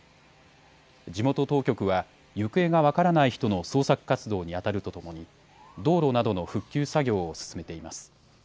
地元当局は行方が分からない人の捜索活動にあたるとともに道路などの復旧作業を進めています。